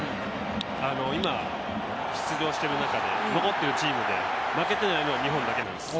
今、出場している中で残っているチームの中で負けてないのは日本だけなんです。